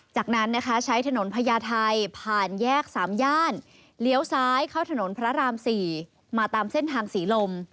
จากนั้นนะคะใช้ถนนพญาไทยผ่านแยก๓ย่านเลี้ยวซ้ายเข้าถนนพระราม๔มาตามเส้นทางศรีลม